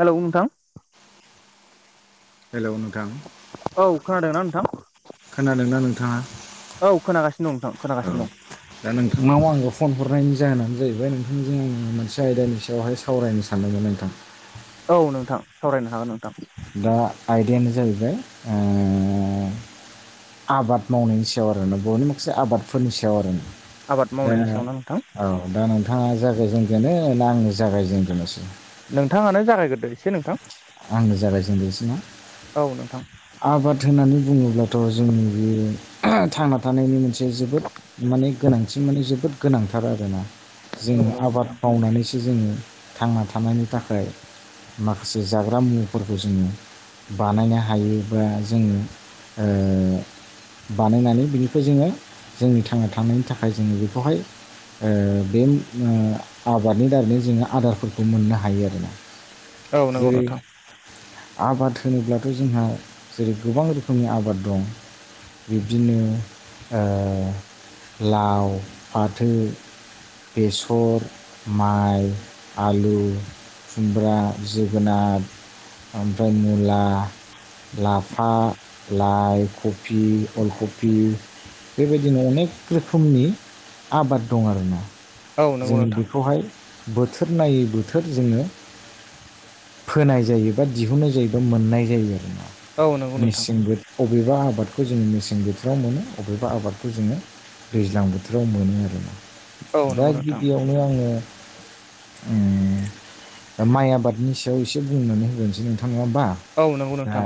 Hello नोंथां hello नोंथां खोनादों ना नोंथां खोनादोंना नोंथाङा खोनागासिनो दं नोंथां औ खोनागासिनो दा नोंथांनाव आङो फन हरनायनि जाहोनानो जाहैबाय नोंथांजों मोनसे आयदानि सायावहाय सावरायनो सानदोंमोन नोंथां औ नोंथां सावरायनो हागोन नोंथां दा आइदायानो जाहैबाय ओ आबाद मावनायनि सायाव आरो बर'नि माखासे आबादफोरनि सायाव आरो ना आबाद दा मावनायनि सायावना नोंथां औ दा नोंथाङा जायागाय जेनजोनो ना आंनो जागायजेनगोनोसै नोंथाङानो जागायग्रोदो एसे नोंथां आंनो जागायजेनोसै ना औ नोंथां आबाद होननानै बुङोब्लाथ' जोंनि बे [unintelligible] थांना थानायनि मोनसे जोबोद माने गोनांथि माने जोबोद गोनांथार आरोना जो औ नंगौ आबाद नोंथां मावनानै जोङो थांना थानायनि थाखाय माखासे जाग्रा मुवाफोरखौ जोङो बानायनो हायो बा जोङो ओ बानायनानै बिनिफ्राय जोङो जोंनि थांना थानायनि थाखाय जोङो बेखौहाय ओ बे आबादनि दारै जोङो आदारफोरखौ मोननो हायो आरोना औ नंगौ जेरै नोंथां आबाद होनोब्लाथ' जोंहा जेरै गोबां रोखोमनि आबाद दं बिब्दिनो ओ लाव, फाथो बेसर, माइ, आलु खुमब्रा, जोगोनार, ओमफ्राय मुला लाफा, लाइ, खफि, अलखफि बेबायदिनो अनेक रोखोमनि आबाद दं आरोना औ नंगौ जोंनि नोंथां बेखौहाय बोथोर नायै बोथोर जोङो फोनाय जायोबा दिहुननाय जायोबा मोननाय जायो आरो औ नंगौ नोंथां बबेबा आबादखौ जोङो मेसें बोथोराव मोनो अबेबा आबादखौ जोङो दैज्लां बोथोराव मोनो आरो ना औ दा नंगौ नोंथां गिबियावनो आङो उम दा माइ आबादनि सायाव एसे बुंनानै होग्रोनोसै नोंथां नङा औ नोंगौ दा नोंथां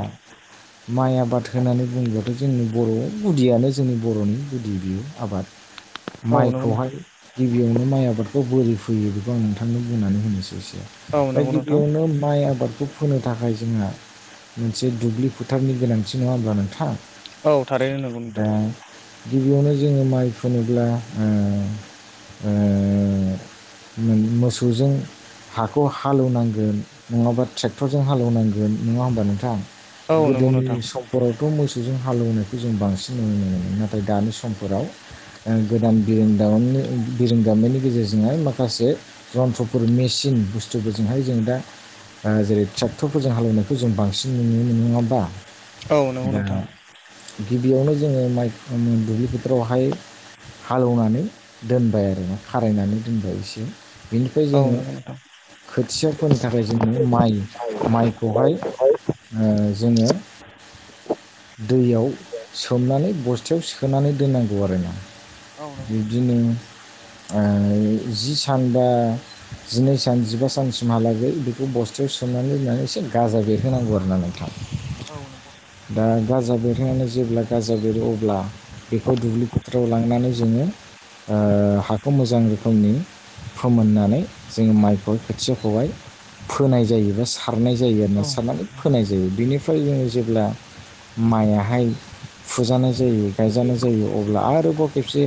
माइ आबाद होननानै बुङोबाथ' जोंनि बर' गुदियानो जोंनि बर'नि गुदि बियो आबाद औ नंगौ माइखौहाय नोंथां गिबियावनो माइ आबादखौ बोरै फैयो बिखौ आं नोंथांनो बुंनानै होनोसै एसे औ दा नंगौ नोंथां गिबियावनो माइ आबाद आबादखौ फोनो थाखाय जोंहा मोनसे दुब्लि फोथारनि गोनांथि नङा होमब्ला नोंथां औ थारैनो नोंगौ दा नोंथां गिबियावनो जोङो माइ फुनोब्ला ओ ओ मोसौजों हाखौ हालौवनांगोन नङाबा ट्रेक्टरजों हालौवनांगोन नङा होमबा नोंथां औ नंगौ गोदोनि नोंथां सम्पराद थ' मोसौजों हालौवनायखौ जों बांसिन नुनो मोनो नाथाय दानि समफोराव ओ गोदान बिरों [unintelligible] बिरों दामनायनि गेजेरजोंहाय माखासे रन्थ्रफोर मेसिन बुस्थुफोरजोंहाय जों दा ओ जेरै ट्रेक्टरफोरजों हालेवनायखौ जों बांसिन नुनो मोनो नङा होमबा औ नोंगौ दा नोंथां गिबियावनो जोङो माइ दुब्लि फोथोरावहाय हालौवनानै दोनबाय आरो ना खारायनानै दोनबाय इसे बिनिफ्राय औ जोङो नंगौ नोंथां खोथिया फोनो थाखाय जोङो माइ माइखौहाय ओ जोङो दैयाव सोमनानै बस्थ थायाव सोनानै दोननांगौ आरो ना औ नंगौ नोंथां बिब्दिनो ओ जि सान बा जिनै सान जिबा सानसिमहालागै बेखौ ब स्थआव सोनानै होननानै एसे गाजा बेरहोनांगौ आरो ना नोंथां औ नंगौ नोंथां दा गाजा बेरहोनानोय जेब्ला गाजा बेरो अब्ला बेखौ दुब्लि फोथाराव लांनानै जोङो हाखौ मोजां रोखोमनि फोमोननानै जोङो माइखौ खोथियाखौहाय फोनाय जायोबा सारनाय जायो आरो ना औ सारनानै फोनाय जायो बिनिफ्राय जोङो जेब्ला माइयाहाय फुजानाय जायो गायजानाय जायो अब्ला आरोबाव खेबसे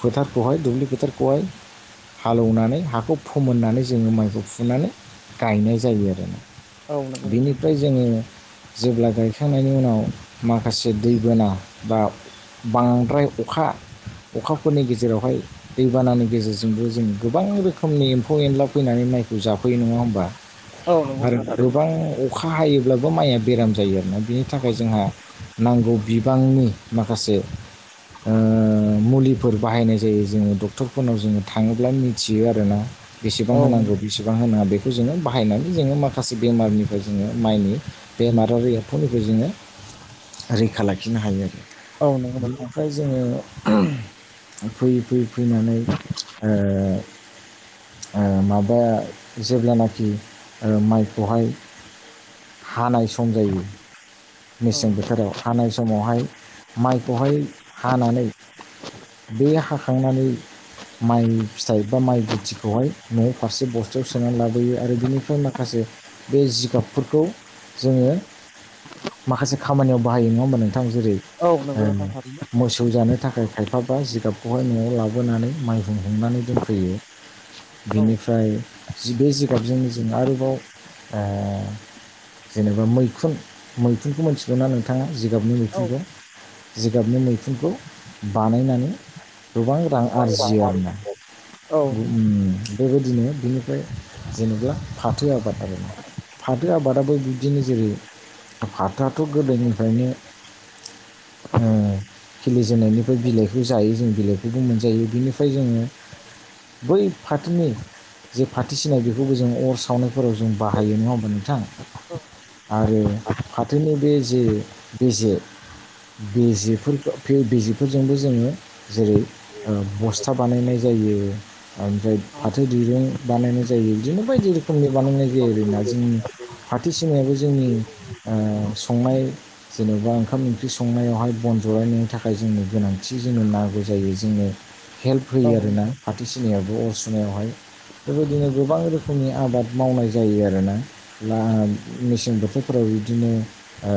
फोथारखौहाय दुब्लि फोथारखौहाय हालौवनानै हाख खौ फोमोननानै जोङो माइखौ फुनानै गायनाय जायो आरो ना औ नंगौ नोंथां बिनिफ्राय जोङो जेब्ला गायखांनायनि उनाव माखासे दैबाना बा बांद्राय अखा अखाफोरनि गेजेरावहाय दैबानानि गेजेरजोंबो जों गोबां रोखोमनि एम्फौ एनला फैनानै नानै माइखौ जाफैयो नङा होमबा औ नंगौ नोंथां आरो थारैनो गोबां अखा हायोब्लाबो माइया बेराम जायो आरोना बिनि थाखाय जोंहा नांगौ बिबांनि माखासे मुलिफोर बाहायनाय जायो जोङो डक्टरफोरनाव जोङो थाङोब्ला मिथियो आरोना बेसेबां औ नंगौ होनांगौ बेसेबां होनाङा बेखौ खौ जोङो बाहायनानै जोङो माखासे बेमारनिफ्राय जोङो माइनि बेमार आरो एबफुनिफ्राय जोङो रैखा लाखिनो हायो आरो औ नंगौ नोंथां बिनिफ्राय जोङो फैयै फैयैै फैनानै माबाया जेब्लानाखि माइखौहाय हानाय सम जायो मेसें औ बोथोराव हानाय समावहाय माइखौहाय हानानै बे हाखांनानै माइ फिथाइ बा माइ गुथिखौहाय न'आव फारसे बस्थायाव सोनानै लाबोयो आरो बिनिफ्राय माखासे बे जिगाबफोरखौ जोङो माखासे खामानियाव बाहायो नङा होनबानो जेरै नंगौ नोंथां थारैनो मोसौ जानो थाखाय खायफाबा जिगाबखौहाय न'आव लाबोनानै माइहुं हमनानै दोनफैयो औ बिनिफ्राय बे जिगाबजों जों आरोबाव जेनेबा मैखुन मैखुनखौ मिथिगौ ना नोंथाङा जिगाबनि औ मैखुनखौ जिगाबनि मैखुनखौ बानायनानै गोबां रां आरजियो आरोना औ बेबायदिनो बिनिफ्राय जेनेबा फाथो आबाद आरो फाथो आबादाबो बिबदिनो जेरै आफाथआथ' गोदोनिफ्रायनो खिलिजेननायनि बिलाइखौ जायो जों बिलाइखौबो मोनजायो बिनिफ्राय जोङो बै पाटिनि जे फथि सिनाय बेफोरखौबो जों अर सावनायफोराव जों बाहायो नङा होमबा नोंथाङा औ आरो फाथोनि बे जे बिजे बिजिफोरखौ फे बिजि फोरजोंबो जोङो जेरै बस्था बानायनाय जायो ओमफ्राय फाथो दिरुं बानायनाय जायो बिदिनो बायदि रोखोमनि बानायनाय जायो आरोना जोंनि खाथि सिमायाबो जोंनि संनाय जेनेबा ओंखाम ओंख्रि संनायावहाय बन [unintelligible] थाखाय जोङो गोनांथि जोंनो नांगौ जायो जोंनो हेल्प होयो आरोना फाथो सिनाया बे अर सुनायावहाय बेबायदिनो गोबां रोखोमनि आबाद मावनाय जायो आरोना ना मेसें बोथोरफोराव बिदिनो ओ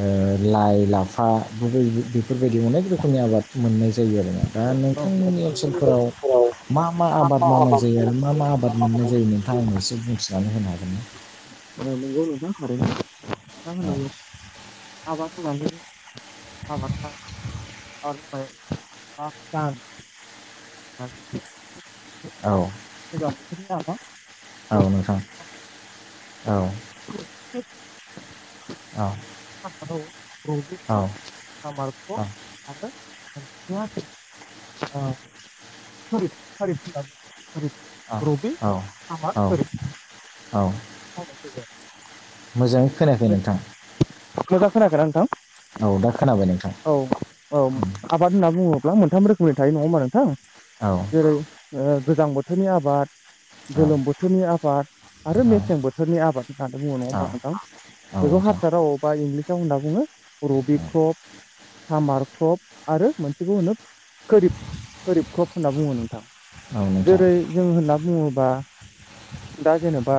ओ लाइ लाफा बेफोरबादि बेफोरबायदि अनेक रोखोमनि आबाद मोननाय जायो आरोोना दा औ नोंथांमोननि ओनसोलफोराव ओनसोलाव मा मा आबाद मावनाय जायो आरो मा मा आबाद मोननाय जायो नोंथां आंनाव एसे बुंथिनानै होनो हागोन नामा नंगौ नोंथां थारैनो औ आबा खोमाला आबाद मावनाय बा दान गोजां औ बोथोरनि आबाद औ नोंथां औ। औ रबिखौ औ सामारखौ आरो औ। हारि फला औ औ औ खरिब औ। मावनाय जायो मोजाङै खोनायाखै आरो नोंथां मोजां खोनायाखैना नोंथां? औ दा खोनाबाय नोंथां औ आबाद होनना बुङोब्ला मोनथाम रोखोमनि थायो नङा होनोमा नोंथां औ जेरै गोजां बोथोरनि आबाद गोलोम औ बोथोरनि आबाद आरो मेसें बोथोरनि आबाद होननानै बुङो नङा औ होमबा नोंथां औ बेखौ नोंथां हारसा राव बा इंलिसाव होनना बुङो रबि औ क्रप सामार क्रप आरो मोनसेखौ होनो कोरिब कोरिब क्रप होनना बुङो नोंथां। औ नोंथां जेरै जों होनना बुङोब्ला दा दा जेनेबा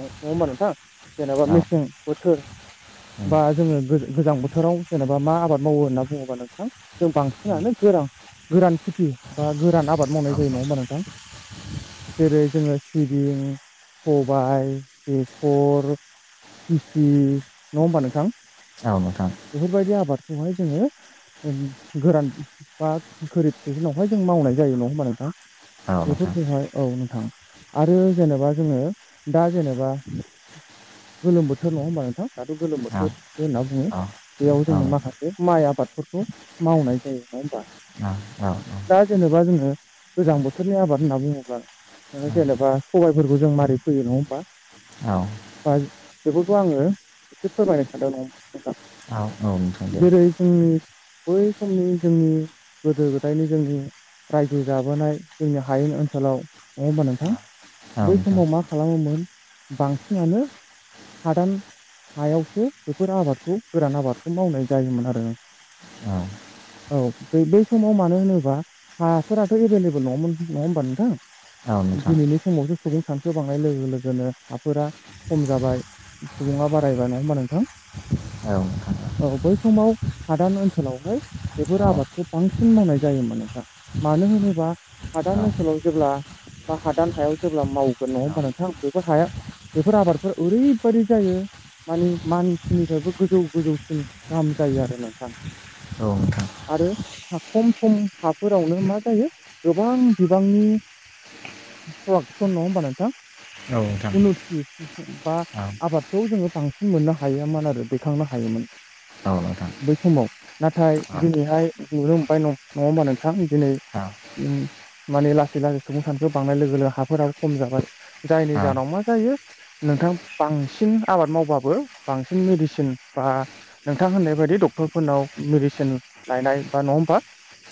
नङ होमबा नोंथां जेनेबा औ मेसें बोथोर उम बा जोङो गोजां बोथोराव जेनेबा मा आबाद माव होन बुङोबा नोंथां जों बांसिनानो गोरान गोरान खेथि बा गोरान आबाद मावनाय जायो नङा होमबा नोंथां जेरै जोङो सिबिं सबाय बेसर दिसि नङा होमबा नोंथां औ नोंथां बेफोरबायदि आबाद ब'हाय जोङो गोरान बा गोरिब ससनावहाय जों मावनाय जायो नङा होमबा नोंथां औ नोंथां बेफोरखौहाय औ नोंथां आरो जेनेबा जोङो दा जेनेबा गोलोम बोथोर नङा होनोमबा नोंथां दाथ' गोलोम औ बोथोर होनना बुङो औ बेयाव औ जोङो नोंथां माखासे माइ आबादफोरखौ मावनाय जायो नङा होमबा औ दा जेनेबा जोङो गोजां बोथोरनि आबाद होनना बुङोब्ला ओ जेनेबा सबायफोरखौ जों माबोरै फैयो नङा होमबा औ बा बे खौ आङो एसे फोरमायनो सानदों नोंथां औ नोंथां दे जेरै जोंनि बै समनि जोंनि गोदो गोदायनि जोंनि रायजो जाबोनाय जोंनि हायेन ओनसोलाव नङा होमबा नोंथां औ बै नोंथां समाव मा खालामोमोन बांसिनानो हादान हायावसो बेफोर आबादखौ गोरान आबादखौ मावनाय जायोमोन आरो औ औ बे बै समाव मानो होनोबा हाफोराथ' एभेलेबल नङोन नङा हबा नोंथां औ नोंथां दिनैनि समावसो सुबुं सान बांनाय लोगो लोगोनो हाफोरा खम जाबाय सुबुङा बारायबाय नङा होमबा नोंथां औ नोंथां औ नोंथां औ नोंथां औ नोंथां औ नोंथां औ नोंथां औ नोंथां औ नोंथां औ नोंथां औ बै समाव हादान ओनसोलावहाय बेफोर आबादखौ बांसिन मावनाय जायोमोन नोंथां मानो होनोबा हादान ओनसोलाव जेब्ला बा हादान हायाव जेब्ला मावगोन नङा होमबा नोंथां बयबो हाया बेफोर आबादफोरा ओरैबदि जायो मानि मानसिनिफ्रायबो गोजौ गोजौसिन गाहाम जायो आरो नों औ। आरो खम सम हाफोरावनो मा जायो गोबां बिबांनि प्रडाक्सन नङा होमबा नोंथां उन'थि बा आबादखौ जोङो बांसिन मोननो हायामोन आरो दैखांनो हायोमोन। बै समाव नाथाय दिनैहाय नुनो मोनबाय नङा होमबा नोंथां दिनै [inaudible] माने लासै लासै सुबुं सानखो बांनाय लोगो लोगो हाफोराबो खम जाबाय जायनि जाहोनाव मा जायो नोंथां बांसिन आबाद मावबाबो बांसिन मेदिसिन बा नोंथां होननाय बायदि डक्टरफोरनाव मेडिसिन लायनाय बा नङा होमबा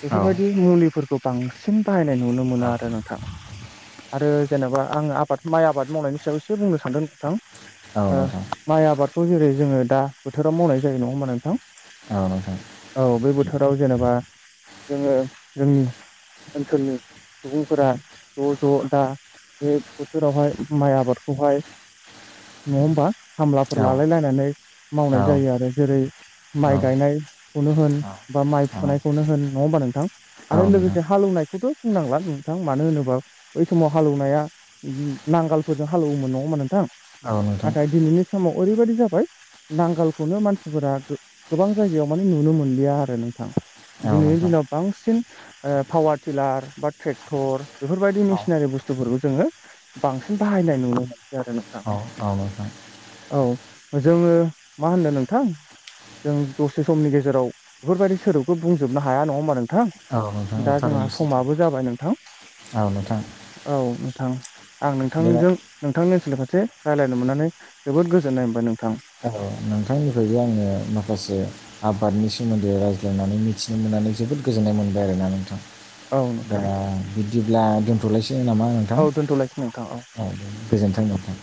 बेफोरबायदि मुलिफोरखौ बांसिन बाहायनाय नुनो मोनो आरो नोंथां आरो जेनेबा आं आबाद माइ आबाद मावनायनि सायाव एसे बुंनो सानदों नोंथां ओ माइ आबादखौ जेरै जोङो दा बोथोराव मावनाय जायो नङा होमबा नोंथां अ नोंथां औ बे बोथोराव जेनेबा जोङो जोंनि ओनसोलनि सुबुंफोरा ज' ज' दा बे बोथोरावहाय माइ आबादखौहाय न होमबा खामलाफोर लालायलायनानै मावनाय जायो आरो जेरै माइ गायनायखौनो होन बा माइ फुनायखौनो होन नङा होमबा नोंथां आरो लोगोसे हालौवनाय बेखौथ' बुंनांला नोंथां मानो होनोबा बै समाव हालेौनाया नांगालफोरजों हालौवोमोन नङा ओमबा नोंथां औ नोंथां। नाथाय दिनैनि समाव ओरैबायदि जाबाय नांगालखौनो मानसिफोरा गोबां जायगायाव माने नुनो मोनलिया आरो नोंथां दिनैनि दिनाव बांसिन ओ पावार टिलार बा ट्रेक्टर बेफोरबायदि मेसिनारि बुस्थु बुस्थुफोरखौ जोङो बांसिन बाहायनाय नुनो मोनसै आरो नोंथां। औ नोंथां। औ जोङो मा होननो नोंथां जों दसे समनि गेजेराव बेफोरबायदि सोदोबखौ बुंजोबनो हाया नङा होमबा नों नोंथां औ नोंथां औ दा जोंहा थारैनो सैथो समाबो जाबाय नोंथां औ नोंथां औ नोंथां आं दा नोंथांजों नोंथांनि ओनसोलनि फारसे रायज्लायनो मोननानै जोबोद गोजोननाय मोनबाय नोंथां। औ नोंथांनिफ्रायबो आङो माखासे आबादनि सोमोन्दै रायज्लायनानै मिथिनो मोन नानै जोबोद गोजोन्नाय मोनबाय आरोना नोंथां औ दा नोंथां बिदिब्ला दोनथ'लाय नामा नोंथां औ दोनथ'लायसै नोंथां औ गोजोन्थों नोंथां।